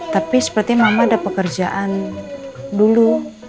tapi seperti mama ada pekerjaan dulu